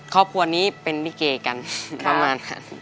ครอบครัวนี้เป็นริเกย์กันประมาณนั้น